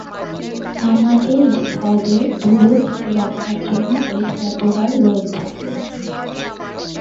নামাজের স্থলের ধুলো থেকে রক্ষার জন্য এর ব্যবহার রয়েছে।